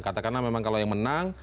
katakanlah memang kalau yang menang